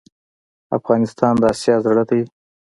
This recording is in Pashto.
افغانستان د اسیا زړه ده